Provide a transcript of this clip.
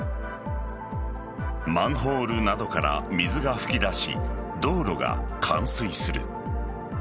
マンホールなどから水が噴き出し道路が冠水する。